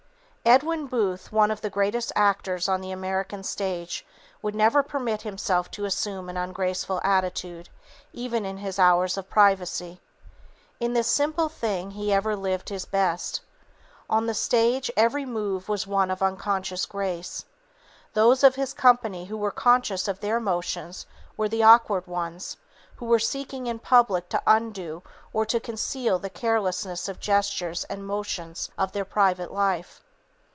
Edwin Booth, one of the greatest actors on the American stage, would never permit himself to assume an ungraceful attitude, even in his hours of privacy. In this simple thing, he ever lived his best. On the stage every move was one of unconscious grace. Those of his company who were conscious of their motions were the awkward ones, who were seeking in public to undo or to conceal the carelessness of the gestures and motions of their private life.